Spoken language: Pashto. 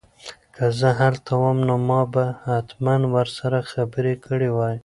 که زه هلته وم نو ما به حتماً ورسره خبرې کړې وای.